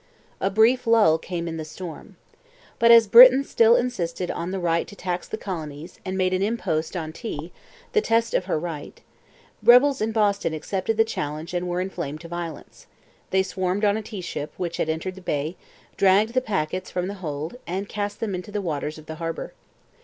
A brief lull came in the storm. But as Britain still insisted on the right to tax the colonies and made an impost on tea the test of her right, rebels in Boston accepted the challenge and were inflamed to violence; they swarmed on a tea ship which had entered the bay, dragged the packets from the hold, and cast them into the waters of the harbour.